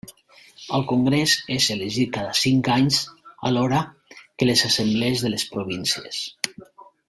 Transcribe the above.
El congrés és elegit cada cinc anys alhora que les Assemblees de les províncies.